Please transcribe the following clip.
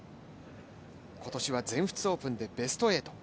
今年は全仏オープンでベスト８。